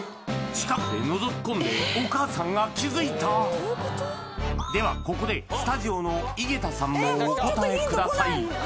近くでのぞき込んでお母さんが気づいたではここでスタジオの井桁さんもお答えください